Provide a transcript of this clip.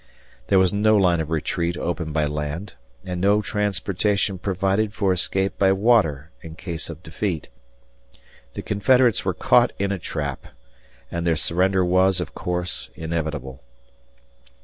There was no line of retreat open by land and no transportation provided for escape by water, in case of defeat. The Confederates were caught in a trap, and their surrender was, of course, inevitable.